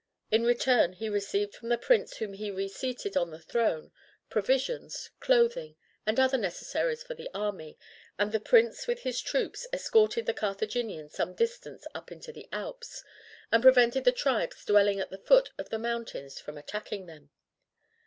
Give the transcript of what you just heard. In return he received from the prince whom he reseated on his throne, provisions, clothing, and other necessaries for the army, and the prince, with his troops, escorted the Carthaginians some distance up into the Alps, and prevented the tribes dwelling at the foot of the mountains from attacking them.